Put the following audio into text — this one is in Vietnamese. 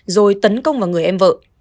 rồi tấn công vào người em vợ